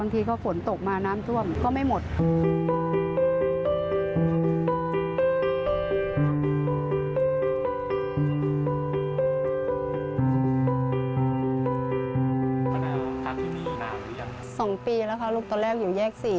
๒ปีแล้วค่ะลูกตอนแรกอยู่แยก๔